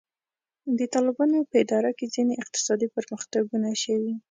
د طالبانو په اداره کې ځینې اقتصادي پرمختګونه شوي.